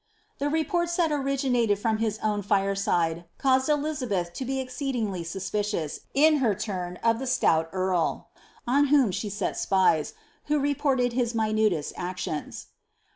The reports that originated from his own fireside caused Elizabeth to be ex cenlingly sus<picious, in her turn, of the stout earl, on whom she set spieis, who reported his minutest actions.